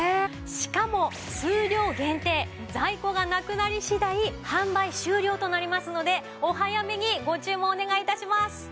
しかも数量限定在庫がなくなり次第販売終了となりますのでお早めにご注文をお願い致します。